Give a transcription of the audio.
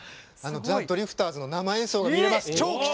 ザ・ドリフターズの生演奏が見れます！